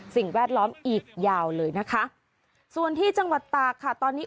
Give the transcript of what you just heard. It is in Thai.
แวดล้อมอีกยาวเลยนะคะส่วนที่จังหวัดตากค่ะตอนนี้